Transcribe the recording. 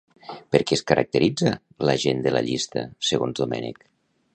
Per què es caracteritza la gent de la llista, segons Domènech?